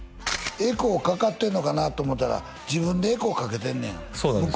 エコーかかってんのかなと思ったら自分でエコーかけてんのやそうなんです